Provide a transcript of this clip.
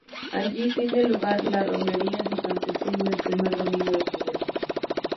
Allí tiene lugar la romería de San Cecilio el primer domingo de febrero.